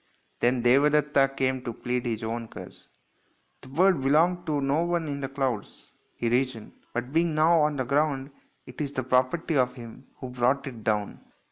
Then Devadetta came to plead his own cause. " The bird belonged to no one in the clouds," he reasoned, " but being now on the ground it is the property of him who brought it down."